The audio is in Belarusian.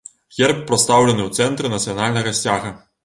Герб прадстаўлены ў цэнтры нацыянальнага сцяга.